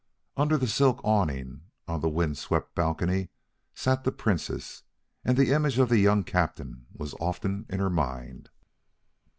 Under the silken awning, on the wind swept balcony, sat the Princess, and the image of the young Captain was often in her mind.